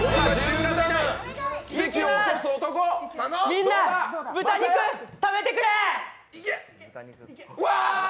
みんな、豚肉食べてくれ！